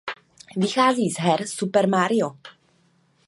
Vychází z her Super Mario.